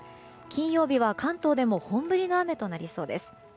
金曜日は関東でも本降りの雨となりそうです。